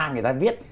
người ta viết